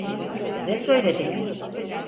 Ne söylediler?